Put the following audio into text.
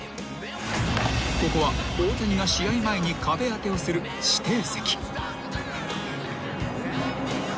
［ここは大谷が試合前に壁当てをする指定席］